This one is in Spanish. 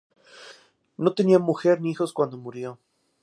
No tenía mujer ni hijos cuando murió.